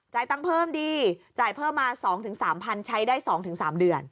ตังค์เพิ่มดีจ่ายเพิ่มมา๒๓๐๐๐ใช้ได้๒๓เดือน